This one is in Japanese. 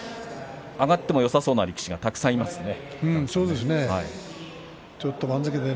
上がってもよさそうな力士がたくさんいますね。